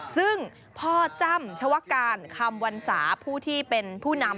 ซึ่งพ่อจ้ำชวการคำวรรษาผู้ที่เป็นผู้นำ